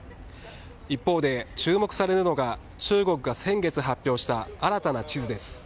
一方で注目されるのが中国が先月発表した新たな地図です。